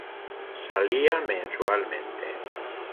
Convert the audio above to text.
Salía mensualmente.